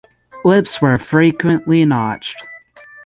Lips were frequently notched.